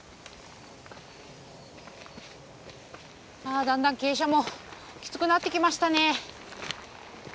あだんだん傾斜もきつくなってきましたね。